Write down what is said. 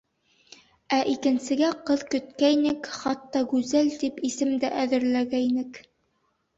Ә икенсегә ҡыҙ көткәйнек, хатта Гүзәл тип исем дә әҙерләгәйнек.